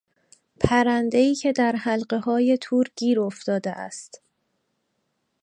پرندهای که در حلقههای تور گیر افتاده است